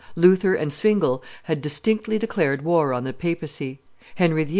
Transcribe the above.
Luther and Zwingle had distinctly declared war on the papacy; Henry VIII.